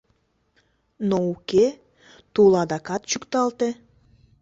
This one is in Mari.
Но уке, тул адакат чӱкталте.